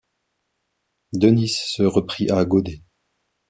Denis se reprit à goder.